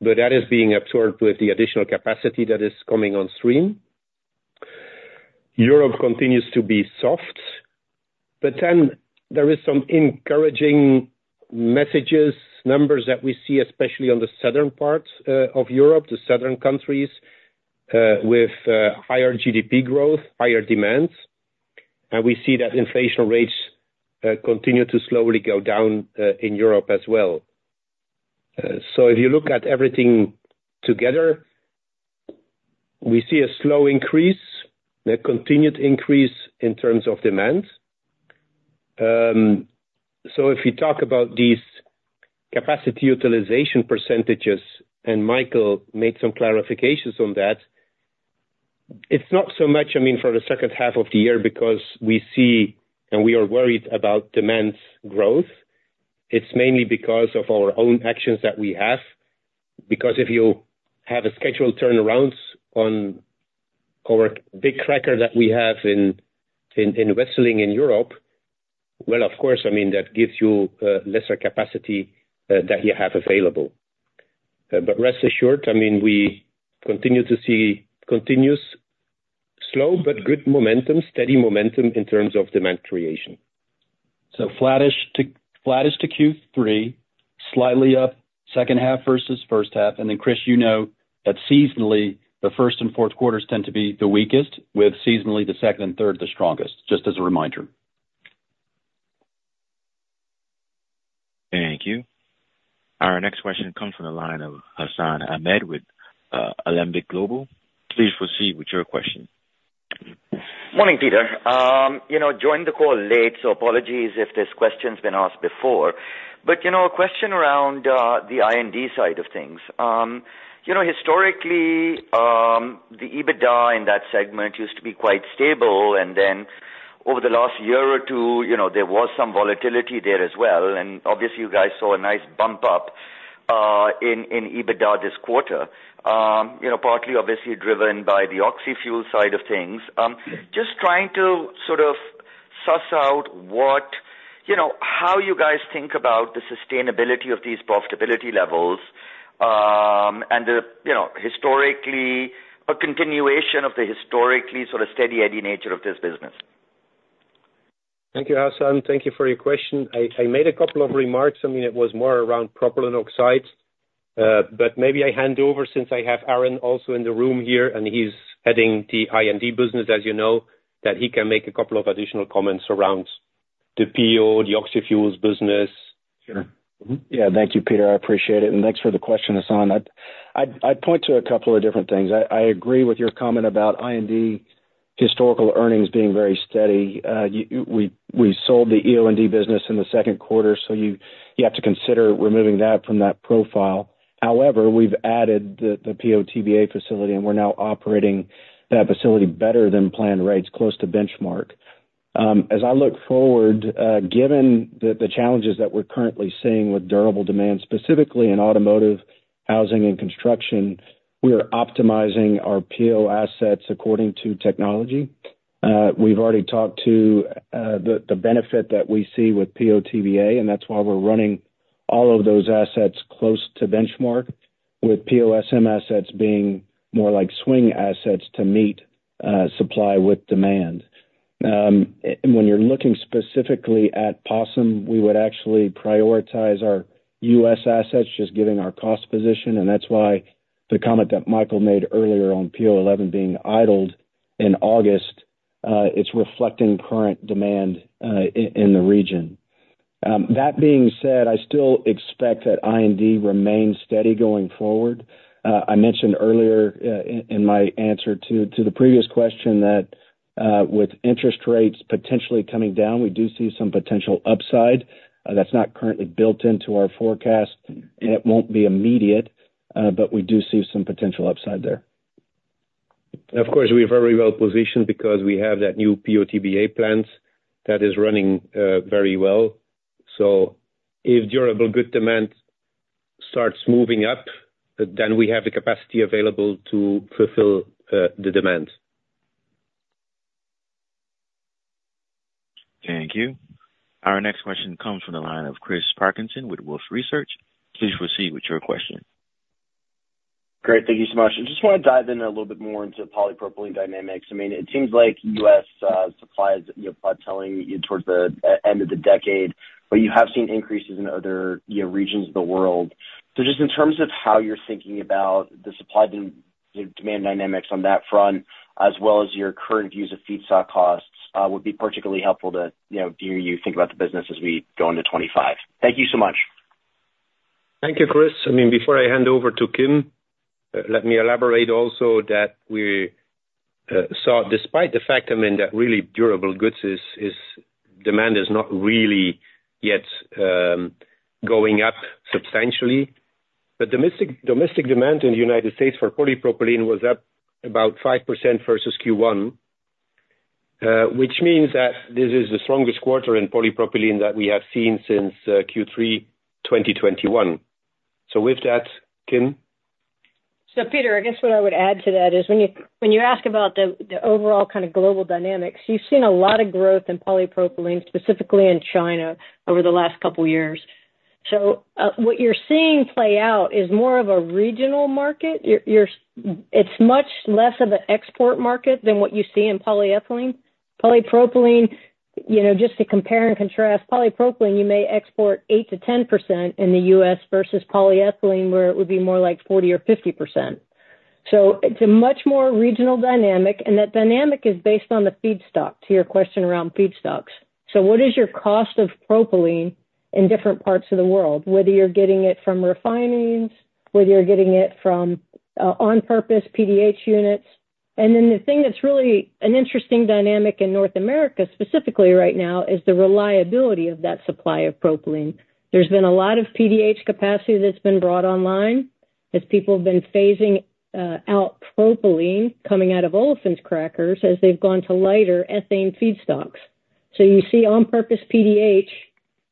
but that is being absorbed with the additional capacity that is coming on stream. Europe continues to be soft, but then there are some encouraging messages, numbers that we see, especially on the southern part of Europe, the southern countries with higher GDP growth, higher demands. We see that inflation rates continue to slowly go down in Europe as well. If you look at everything together, we see a slow increase, a continued increase in terms of demand. If you talk about these capacity utilization percentages, and Michael made some clarifications on that, it's not so much, I mean, for the second half of the year because we see and we are worried about demand growth. It's mainly because of our own actions that we have. Because if you have a scheduled turnaround on our big cracker that we have in Wesseling in Europe, well, of course, I mean, that gives you lesser capacity that you have available. But rest assured, I mean, we continue to see continuous slow, but good momentum, steady momentum in terms of demand creation. So flattish to Q3, slightly up second half versus first half. And then, Chris, you know that seasonally, the first and Q4s tend to be the weakest, with seasonally the second and third the strongest, just as a reminder.
Thank you. Our next question comes from the line of Hassan Ahmed with Alembic Global Advisors. Please proceed with your question.
Morning, Peter. Joined the call late, so apologies if this question's been asked before. But a question around the I&D side of things. Historically, the EBITDA in that segment used to be quite stable. And then over the last year or two, there was some volatility there as well. And obviously, you guys saw a nice bump up in EBITDA this quarter, partly obviously driven by the oxy-fuel side of things. Just trying to sort of suss out how you guys think about the sustainability of these profitability levels and the historically a continuation of the historically sort of steady-eddy nature of this business.
Thank you, Hassan. Thank you for your question. I made a couple of remarks. I mean, it was more around propylene oxide, but maybe I hand over since I have Aaron also in the room here, and he's heading the I&D business, as you know, that he can make a couple of additional comments around the PO, the oxy-fuels business.
Sure. Yeah. Thank you, Peter. I appreciate it. And thanks for the question, Hassan. I'd point to a couple of different things. I agree with your comment about I&D historical earnings being very steady. We sold the EO&D business in the Q2, so you have to consider removing that from that profile. However, we've added the PO/TBA facility, and we're now operating that facility better than planned rates, close to benchmark. As I look forward, given the challenges that we're currently seeing with durable demand, specifically in automotive, housing, and construction, we're optimizing our PO assets according to technology. We've already talked to the benefit that we see with PO/TBA, and that's why we're running all of those assets close to benchmark, with PO/SM assets being more like swing assets to meet supply with demand. And when you're looking specifically at PO/SM, we would actually prioritize our U.S. assets, just given our cost position. And that's why the comment that Michael made earlier on PO/TBA being idled in August, it's reflecting current demand in the region. That being said, I still expect that I&D remains steady going forward. I mentioned earlier in my answer to the previous question that with interest rates potentially coming down, we do see some potential upside. That's not currently built into our forecast, and it won't be immediate, but we do see some potential upside there. Of course, we've already repositioned because we have that new PO TBA plant that is running very well. So if durable good demand starts moving up, then we have the capacity available to fulfill the demand.
Thank you. Our next question comes from the line of Chris Parkinson with Wolfe Research. Please proceed with your question.
Great. Thank you so much. I just want to dive in a little bit more into polypropylene dynamics. I mean, it seems like U.S. supplies are plateauing towards the end of the decade, but you have seen increases in other regions of the world. So just in terms of how you're thinking about the supply demand dynamics on that front, as well as your current views of feedstock costs, would be particularly helpful to hear you think about the business as we go into 2025. Thank you so much.
Thank you, Chris. I mean, before I hand over to Kim, let me elaborate also that we saw, despite the fact that really durable goods demand is not really yet going up substantially. But domestic demand in the United States for polypropylene was up about 5% versus Q1, which means that this is the strongest quarter in polypropylene that we have seen since Q3 2021. So with that, Kim.
So Peter, I guess what I would add to that is when you ask about the overall kind of global dynamics, you've seen a lot of growth in polypropylene, specifically in China, over the last couple of years. So what you're seeing play out is more of a regional market. It's much less of an export market than what you see in polyethylene. Polypropylene, just to compare and contrast, polypropylene, you may export 8%-10% in the U.S. versus polyethylene, where it would be more like 40% or 50%. So it's a much more regional dynamic, and that dynamic is based on the feedstock, to your question around feedstocks. So what is your cost of propylene in different parts of the world, whether you're getting it from refineries, whether you're getting it from on-purpose PDH units? And then the thing that's really an interesting dynamic in North America specifically right now is the reliability of that supply of propylene. There's been a lot of PDH capacity that's been brought online as people have been phasing out propylene coming out of olefins crackers as they've gone to lighter ethane feedstocks. So you see on-purpose PDH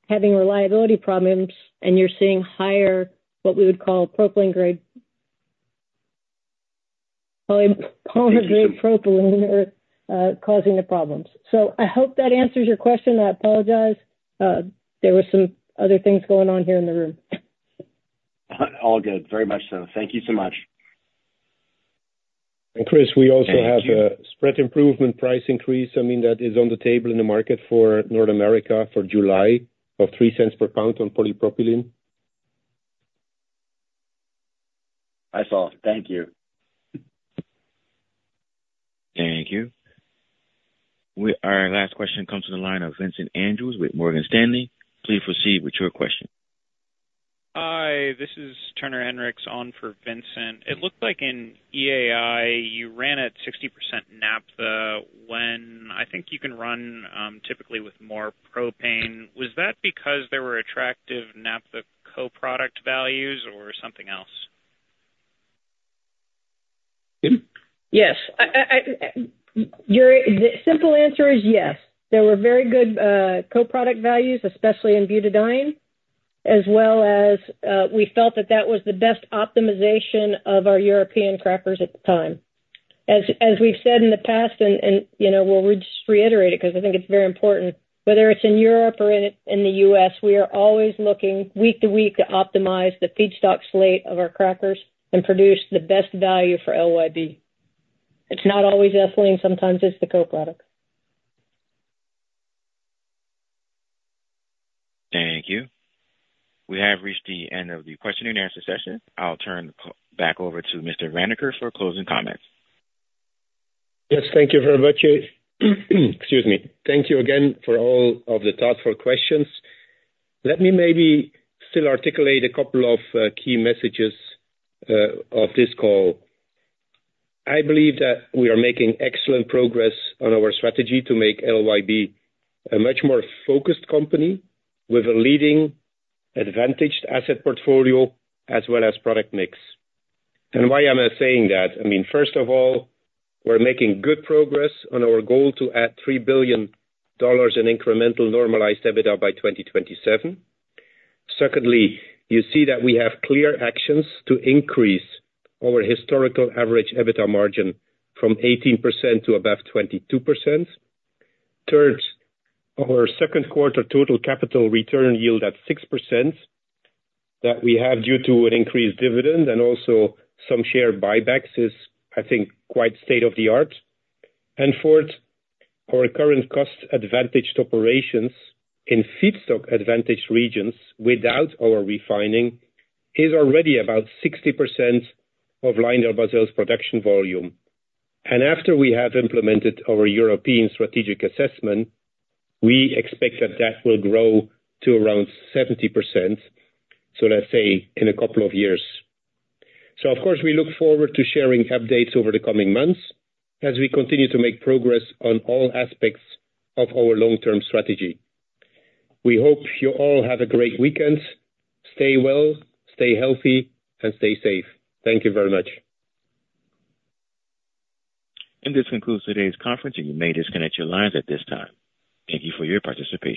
having reliability problems, and you're seeing higher, what we would call propylene-grade, polymer-grade propylene causing the problems. So I hope that answers your question. I apologize. There were some other things going on here in the room.
All good. Very much so. Thank you so much.
And Chris, we also have a spread improvement price increase. I mean, that is on the table in the market for North America for July of $0.03 per pound on polypropylene. I saw it. Thank you.
Thank you. Our last question comes from the line of Vincent Andrews with Morgan Stanley. Please proceed with your question.
Hi. This is Turner Hendricks on for Vincent. It looked like in EAI, you ran at 60% naphtha when I think you can run typically with more propane. Was that because there were attractive naphtha co-product values or something else?
Yes. The simple answer is yes. There were very good co-product values, especially in Butadiene, as well as we felt that that was the best optimization of our European crackers at the time. As we've said in the past, and we'll just reiterate it because I think it's very important, whether it's in Europe or in the U.S., we are always looking week to week to optimize the feedstock slate of our crackers and produce the best value for LYB. It's not always Ethylene. Sometimes it's the co-product.
Thank you. We have reached the end of the question and answer session. I'll turn back over to Mr. Vanacker for closing comments.
Yes. Thank you very much. Excuse me. Thank you again for all of the thoughtful questions. Let me maybe still articulate a couple of key messages of this call. I believe that we are making excellent progress on our strategy to make LYB a much more focused company with a leading advantaged asset portfolio as well as product mix. And why am I saying that? I mean, first of all, we're making good progress on our goal to add $3 billion in incremental normalized EBITDA by 2027. Secondly, you see that we have clear actions to increase our historical average EBITDA margin from 18% to above 22%. Third, our Q2 total capital return yield at 6% that we have due to an increased dividend and also some share buybacks is, I think, quite state of the art. And fourth, our current cost-advantaged operations in feedstock-advantaged regions without our refining is already about 60% of LyondellBasell's production volume. And after we have implemented our European strategic assessment, we expect that that will grow to around 70%, so let's say in a couple of years. So of course, we look forward to sharing updates over the coming months as we continue to make progress on all aspects of our long-term strategy. We hope you all have a great weekend. Stay well, stay healthy, and stay safe. Thank you very much.
And this concludes today's conference, and you may disconnect your lines at this time. Thank you for your participation.